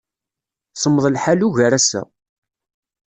Semmeḍ lḥal ugar ass-a.